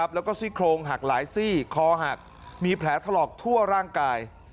แล้วก็ซี่โครงหักหลายซี่คอหักมีแผลถลอกทั่วร่างกาย